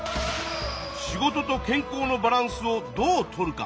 仕事と健康のバランスをどうとるか。